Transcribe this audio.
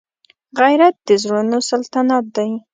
غیرت د زړونو سلطنت دی